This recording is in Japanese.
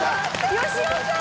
よしおさん！